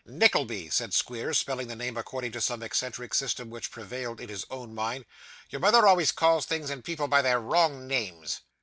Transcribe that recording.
'Nickleby,' said Squeers, spelling the name according to some eccentric system which prevailed in his own mind; 'your mother always calls things and people by their wrong names.